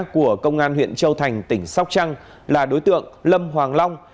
của công an huyện châu thành tỉnh sóc trăng là đối tượng lâm hoàng long